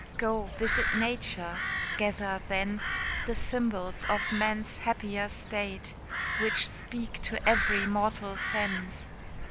Go visit nature gather thence The symbols of man's happier state, Which speak to every mortal sense.